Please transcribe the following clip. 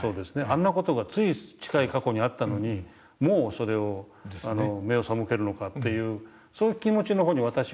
あんな事がつい近い過去にあったのにもうそれを目を背けるのかというそういう気持ちの方に私は行きがちなんですよね。